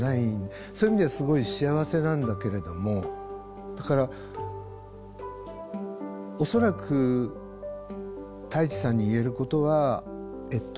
そういう意味ではすごい幸せなんだけれどもだから恐らくＴａｉｃｈｉさんに言えることはえっと